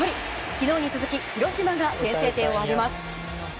昨日に続き広島が先制点を挙げます。